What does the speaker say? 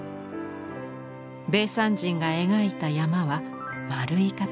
米山人が描いた山は丸い形。